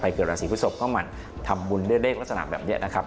ไปเกิดราศีพุทธศพเข้ามาทำบุญเรื่องเลขลักษณะแบบนี้นะครับ